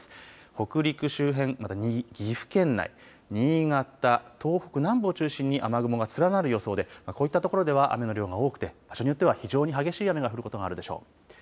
北陸周辺また岐阜県内、新潟、東北南部を中心に雨雲が連なる予想でこういったところでは雨の量が多くて、場所によっては非常に激しい雨が降ることがあるでしょう。